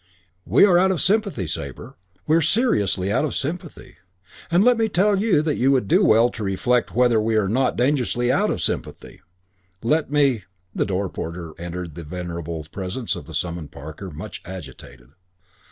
We are out of sympathy, Sabre. We are seriously out of sympathy; and let me tell you that you would do well to reflect whether we are not dangerously out of sympathy. Let me " The door porter entered in the venerable presence of the summoned Parker, much agitated.